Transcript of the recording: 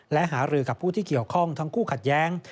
และหารือกับผู้ที่เกี่ยวข้องทั้งคู่ขัดแย้ง